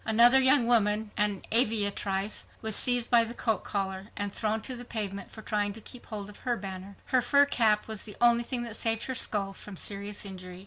Another young woman, an aviatrice, was seized by the coat collar and thrown to the pavement for trying to keep hold of her banner. Her fur cap was the only thing that saved her skull from serious injury.